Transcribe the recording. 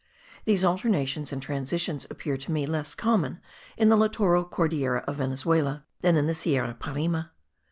These alternations and transitions appeared to me less common in the littoral Cordillera of Venezuela than in the Sierra Parime.